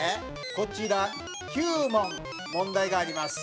こちら９問問題があります。